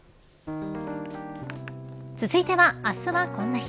続いては、あすはこんな日。